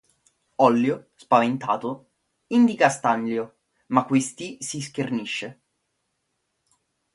Ollio, spaventato, indica Stanlio, ma questi si schernisce.